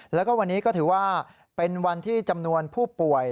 แล้วก็วันนี้ก็ถือว่าเป็นวันที่จำนวนผู้ป่วย